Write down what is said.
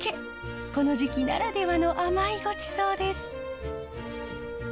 この時期ならではの甘いごちそうです。